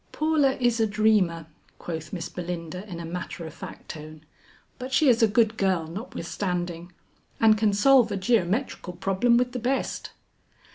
"Paula is a dreamer," quoth Miss Belinda in a matter of fact tone, "but she is a good girl notwithstanding and can solve a geometrical problem with the best."